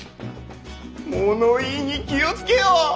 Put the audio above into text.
物言いに気を付けよ。